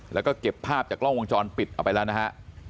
แล้วก็เก็บภาพจากกล้องวงจรปิดเอาไปแล้วนะฮะ